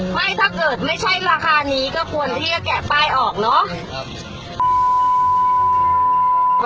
ไม่ถ้าเกิดไม่ใช่ราคานี้ก็ควรที่จะแกะป้ายออกเนอะ